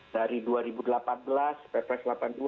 dari dua ribu delapan belas ppres delapan puluh dua